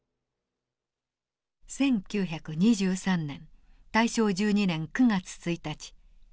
１９２３年大正１２年９月１日。